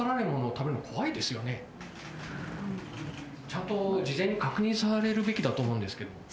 ちゃんと事前に確認されるべきだと思うんですが。